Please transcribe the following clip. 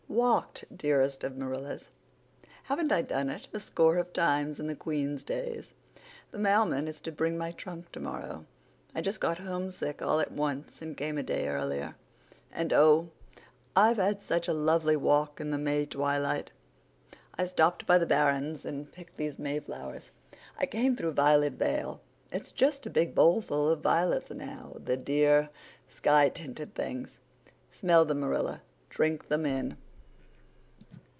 "Walked, dearest of Marillas. Haven't I done it a score of times in the Queen's days? The mailman is to bring my trunk tomorrow; I just got homesick all at once, and came a day earlier. And oh! I've had such a lovely walk in the May twilight; I stopped by the barrens and picked these Mayflowers; I came through Violet Vale; it's just a big bowlful of violets now—the dear, sky tinted things. Smell them, Marilla—drink them in."